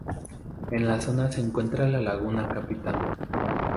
En la zona se encuentra la Laguna Capitán.